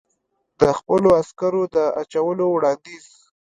د خپلو عسکرو د اچولو وړاندیز.